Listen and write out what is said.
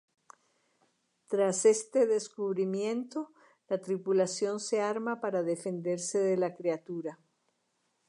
Tras este descubrimiento la tripulación se arma para defenderse de la criatura.